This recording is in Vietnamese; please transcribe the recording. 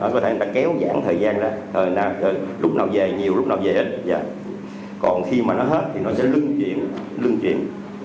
có thể người ta kéo dãn thời gian ra lúc nào về nhiều lúc nào về ít còn khi mà nó hết thì nó sẽ lưng chuyển